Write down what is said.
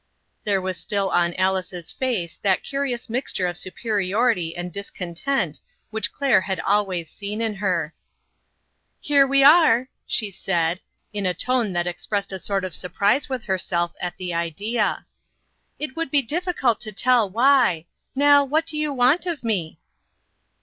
There was still on Alice's face that cu rious mixture of superiority and discontent which Claire had always seen in her. 218 STARTING FOR HOME. 2IQ " Here we are !" she said, in a tone that expressed a sort of surprise with herself at the idea. "It would be difficult to tell why. Now, what do you want of me?"